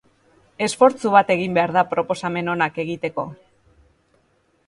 Esfortzu bat egin behar da proposamen onak egiteko.